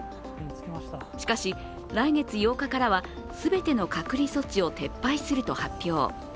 しかし、来月８日からは全ての隔離措置を撤廃すると発表。